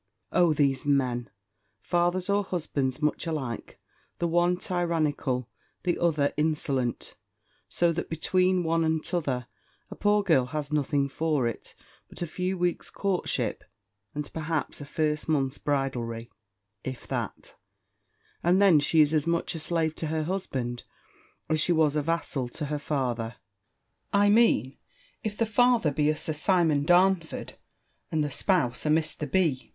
O these men! Fathers or husbands, much alike! the one tyrannical, the other insolent: so that, between one and t'other, a poor girl has nothing for it, but a few weeks' courtship, and perhaps a first month's bridalry, if that: and then she is as much a slave to her husband, as she was a vassal to her father I mean if the father be a Sir Simon Darnford, and the spouse a Mr. B.